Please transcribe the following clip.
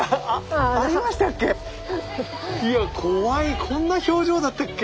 いや怖いこんな表情だったっけ？